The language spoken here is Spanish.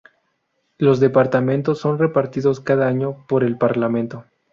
Los departamentos son repartidos cada año por el parlamento.